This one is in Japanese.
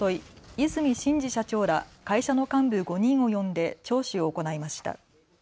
和泉伸二社長ら会社の幹部５人を呼んで聴取を行いました。